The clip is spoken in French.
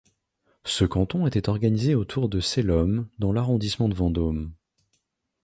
Ce canton était organisé autour de Selommes dans l'arrondissement de Vendôme.